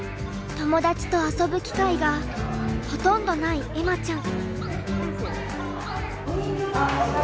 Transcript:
友だちと遊ぶ機会がほとんどない恵麻ちゃん。